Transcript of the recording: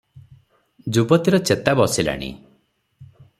ଯୁବତୀର ଚେତା ବସିଲାଣି ।